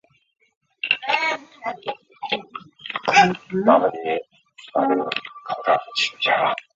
预计在有效寿命阶段有多少次保修索赔？